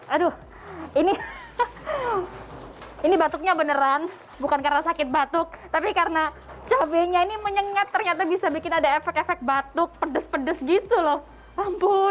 aduh ini ini batuknya beneran bukan karena sakit batuk tapi karena cabainya ini menyengat ternyata bisa bikin ada efek efek batuk pedes pedes gitu loh ampun